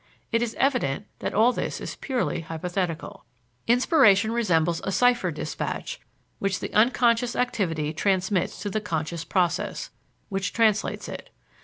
It is evident that all this is purely hypothetical. Inspiration resembles a cipher dispatch which the unconscious activity transmits to the conscious process, which translates it.